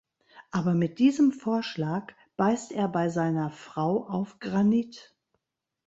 Aber mit diesem Vorschlag beißt er bei seiner „Frau“ auf Granit.